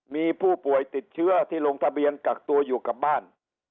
มีผู้ป่วยติดเชื้อที่ลงทะเบียนกักตัวอยู่กับบ้าน